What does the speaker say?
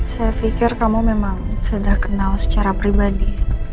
saya pikir kamu memang sudah kenal secara pribadi